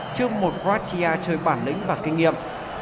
trước một quartia chơi bản lĩnh và kinh nghiệm